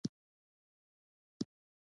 استاد د ژوند سخت درسونه اسانوي.